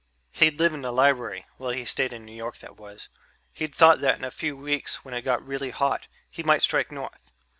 He'd live in the library, while he stayed in New York, that was he'd thought that in a few weeks, when it got really hot, he might strike north.